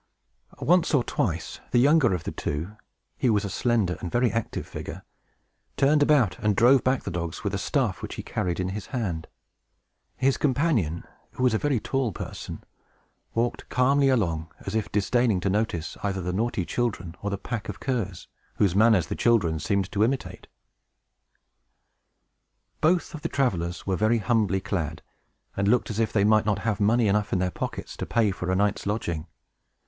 Once or twice, the younger of the two men (he was a slender and very active figure) turned about and drove back the dogs with a staff which he carried in his hand. His companion, who was a very tall person, walked calmly along, as if disdaining to notice either the naughty children, or the pack of curs, whose manners the children seemed to imitate. [Illustration: THE STRANGERS IN THE VILLAGE] Both of the travelers were very humbly clad, and looked as if they might not have money enough in their pockets to pay for a night's lodging.